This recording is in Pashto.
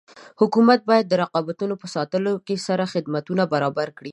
حکومتونه باید د رقابتونو په ساتلو سره خدمتونه برابر کړي.